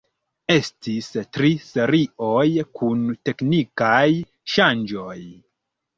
Estis tri serioj kun teknikaj ŝanĝoj.